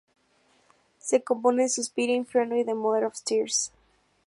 Se compone de "Suspiria", "Inferno" y "The Mother of Tears".